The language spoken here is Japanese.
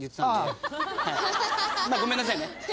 ごめんなさいね。